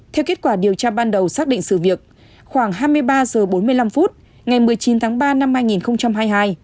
theo kết quả điều tra ban đầu xác định sự việc khoảng hai mươi ba h bốn mươi năm phút ngày một mươi chín tháng ba năm hai nghìn hai mươi hai